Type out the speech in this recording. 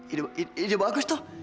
ide ide bagus tuh